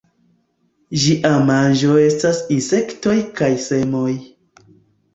Ĝia manĝo estas insektoj kaj semoj.